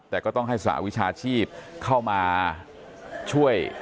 แต่ก็ต้องให้สหวิชาชีพเข้ามาช่วย